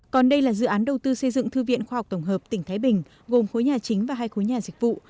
còn đây là dự án đầu tư xây dựng thư viện khoa học tổng hợp tỉnh thái bình gồm khối nhà chính và hai khối nhà dịch vụ